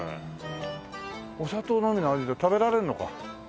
お砂糖のみの味食べられるのか。